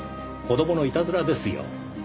子供のいたずらですよ。